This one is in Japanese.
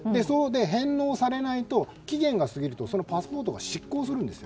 返納されないと期限が過ぎるとそのパスポートが失効するんです。